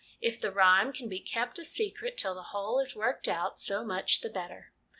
If the rhyme can be kept a secret till the whole is worked out, so much the better.